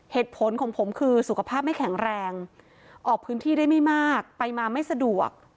เหตุผลของผมคือสุขภาพไม่แข็งแรงออกพื้นที่ได้ไม่มากไปมาไม่สะดวก